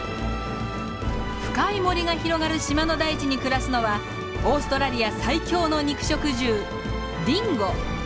深い森が広がる島の大地に暮らすのはオーストラリア最強の肉食獣ディンゴ。